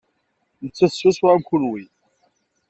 Nettat swaswa am kenwi.